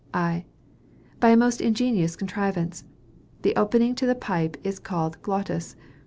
I. By a most ingenious contrivance. The opening to the pipe is called glottis.